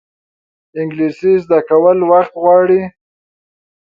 انګلیسي زده کول وخت غواړي